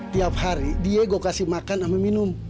tiap hari dia gue kasih makan sama minum